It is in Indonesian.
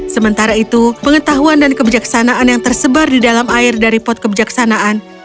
sementara itu pengetahuan dan kebijaksanaan yang tersebar di dalam air dari pot kebijaksanaan